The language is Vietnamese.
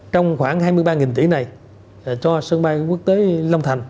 trong khoảng hai mươi ba tỷ này cho sân bay quốc tế long thành